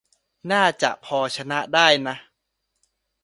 น่าจะพอชนะได้นะ